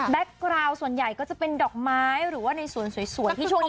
แบทกราลส่วนใหญ่จะเป็นดอกไม้หรือว่าในส่วนสวยบางทีกำลังฮิต